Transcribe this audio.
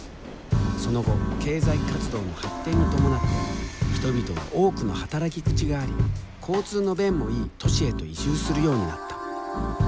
その後経済活動の発展に伴って人々は多くの働き口があり交通の便もいい都市へと移住するようになった。